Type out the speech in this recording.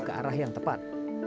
ke arah yang tepat